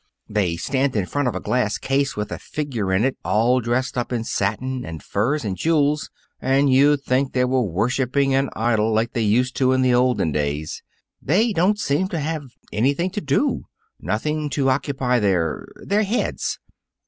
They stand in front of a glass case with a figure in it all dressed up in satin and furs and jewels, and you'd think they were worshiping an idol like they used to in the olden days. They don't seem to have anything to do. Nothing to occupy their their heads.